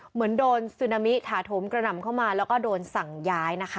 เหมือนโดนซึนามิถาโถมกระหน่ำเข้ามาแล้วก็โดนสั่งย้ายนะคะ